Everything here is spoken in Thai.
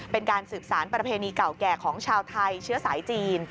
เป็นการสืบสารประเพณีเก่าแก่ของชาวไทยเชื้อสายจีน